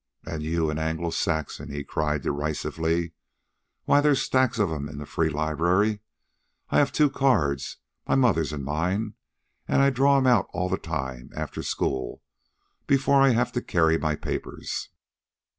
"And you an Anglo Saxon!" he cried derisively. "Why, there's stacks of 'em in the Free Library. I have two cards, my mother's an' mine, an' I draw 'em out all the time, after school, before I have to carry my papers.